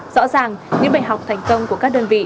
rõ ràng những bài học thành công của các đơn vị